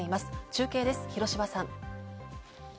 中継です、広芝さん。